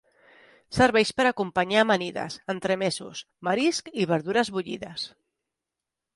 Serveix per acompanyar amanides, entremesos, marisc i verdures bullides.